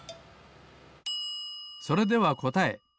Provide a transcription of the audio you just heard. それではこたえ。